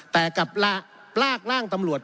แต่กับลากร่างตำรวจ